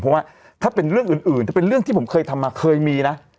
เพราะว่าถ้าเป็นเรื่องอื่นถ้าเป็นเรื่องที่ผมเคยทำมาเคยมีนะ